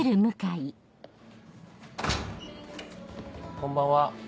こんばんは。